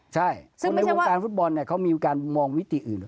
ใช่คนในวงการฟุตบอลเนี่ยเขามีการมองวิธีอื่น